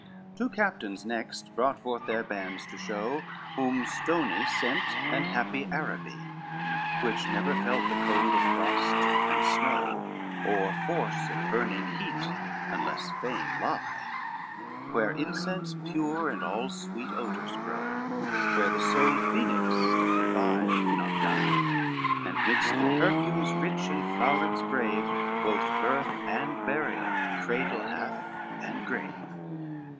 XX Two captains next brought forth their bands to show Whom Stony sent and Happy Araby, Which never felt the cold of frost and snow, Or force of burning heat, unless fame lie, Where incense pure and all sweet odors grow, Where the sole phoenix doth revive, not die, And midst the perfumes rich and flowerets brave Both birth and burial, cradle hath and grave.